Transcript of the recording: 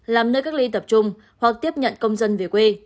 làm nơi cách ly tập trung hoặc tiếp nhận công dân về quê